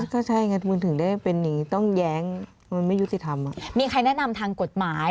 ก็ใช่ไงคุณถึงได้เป็นอย่างนี้ต้องแย้งมันไม่ยุติธรรมมีใครแนะนำทางกฎหมาย